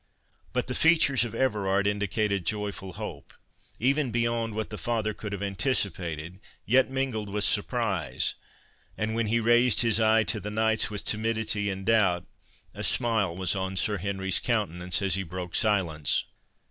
But the features of Everard indicated joyful hope, even beyond what the father could have anticipated, yet mingled with surprise; and when he raised his eye to the knight's with timidity and doubt, a smile was on Sir Henry's countenance as he broke silence.